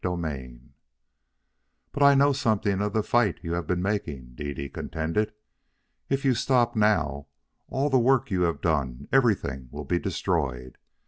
CHAPTER XXIII "But I know something of the fight you have been making," Dede contended. "If you stop now, all the work you have done, everything, will be destroyed.